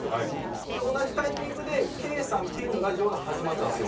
で同じタイミングでケイさんピンのラジオが始まったんですよ